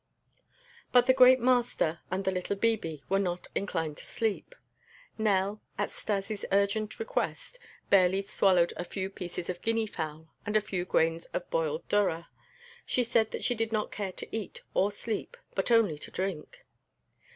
But the "great master" and the little "bibi" were not inclined to sleep. Nell, at Stas' urgent request, barely swallowed a few pieces of guinea fowl and a few grains of boiled durra. She said that she did not care to eat or sleep but only to drink.